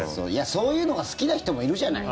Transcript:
そういうのが好きな人もいるじゃない。